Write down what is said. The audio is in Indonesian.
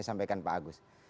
sampaikan pak agus